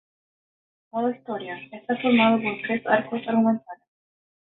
Modo Historia: está formado por tres arcos argumentales.